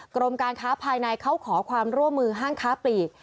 กรมการค้าภายในเขาขอความร่วมมือห้างค้าปลีก